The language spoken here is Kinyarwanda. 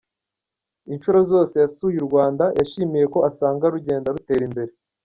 Inshuro zose yasuye u Rwanda yishimiye ko asanga rugenda rutera imbere.